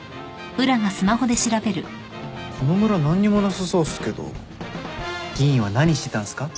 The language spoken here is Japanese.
この村何にもなさそうっすけど議員は何してたんすか？